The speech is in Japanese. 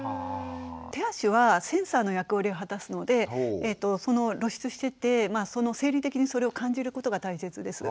手足はセンサーの役割を果たすので露出してて生理的にそれを感じることが大切です。